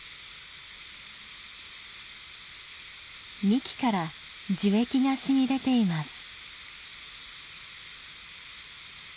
幹から樹液がしみ出ています。